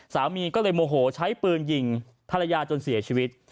สามีก็เลยโมโหใช้ปืนยิงภรรยาจนเสียชีวิต